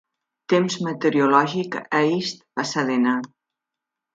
Temps meteorològic a East Pasadena